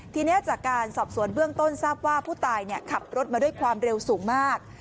ทีนี้จากการสอบสวนเบื้องต้นทราบว่าผู้ตายขับรถมาด้วยความเร็วสูงมาก